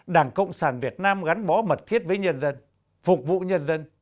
đảng cộng sản việt nam gắn bó mật thiết với nhân dân phục vụ nhân dân